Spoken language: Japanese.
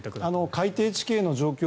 海底地形の状況